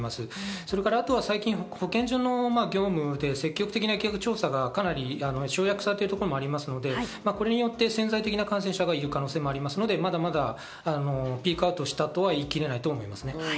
それからあとは最近、保健所の業務で積極的な疫学調査が省略されてるところもありますので、これで潜在的な感染者がいる可能性があるのでまだまだピークアウトしたとは言い切れないですね。